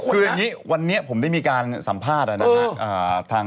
คืออย่างนี้วันนี้ผมได้มีการสัมภาษณ์นะครับ